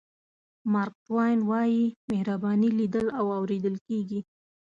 مارک ټواین وایي مهرباني لیدل او اورېدل کېږي.